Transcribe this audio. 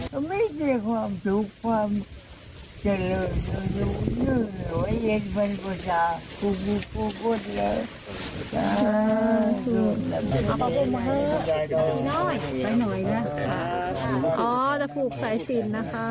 เฮ้ยจะพูดแขน